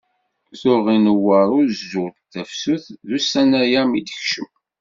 Tuɣ inewweṛ uzzu, tafsut d ussan-aya mi tekcem.